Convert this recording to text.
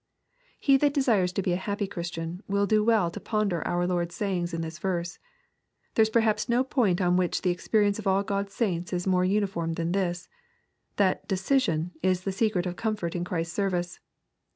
He that desires to be a happy Christian, will do well to ponder our Lord's sayings in this verse. There is per haps no point on which the experience of all God's saints is more uniform than this, that decision is the secret of comfort in Christ's service.